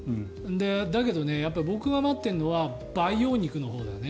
だけどね、僕が待ってるのは培養肉のほうだよね。